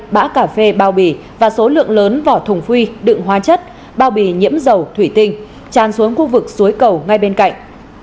bã cà phê bao bì và số lượng lớn vỏ thùng phi đựng hóa chất bao bì nhiễm dầu thủy tinh tràn xuống khu vực suối cầu ngay bên cạnh